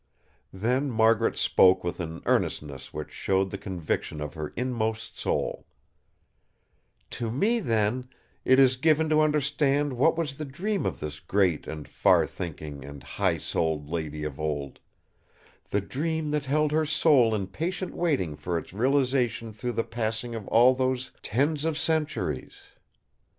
Then Margaret spoke with an earnestness which showed the conviction of her inmost soul: "To me, then, it is given to understand what was the dream of this great and far thinking and high souled lady of old; the dream that held her soul in patient waiting for its realisation through the passing of all those tens of centuries.